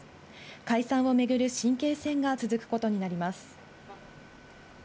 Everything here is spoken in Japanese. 解散を巡る神経戦が続くことになります。